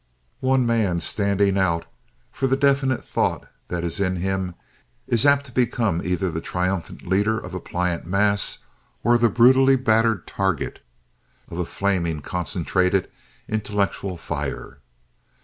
One man "standing out" for the definite thought that is in him is apt to become either the triumphant leader of a pliant mass or the brutally battered target of a flaming, concentrated intellectual fire.